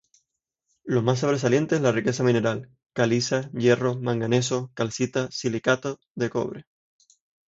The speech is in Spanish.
Los más sobresalientes, la riqueza mineral: caliza, hierro, manganeso, calcita y silicato de cobre.